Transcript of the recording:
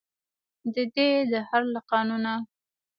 ددې دهر له قانونه.